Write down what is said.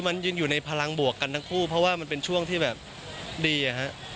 มันยืนอยู่ในพลังบวกกันทั้งคู่เพราะว่ามันเป็นช่วงที่แบบดีอะฮะ